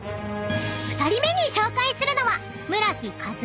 ［２人目に紹介するのは］